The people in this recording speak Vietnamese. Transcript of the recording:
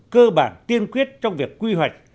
cơ bản tiên quyết trong việc quy hoạch